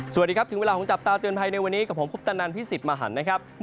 สวัสดีครับถึงเวลาของจับตาเตือนไพรในวันนี้กับผมพุทธนันทร์พิศิษฐ์มหันต์นะครับ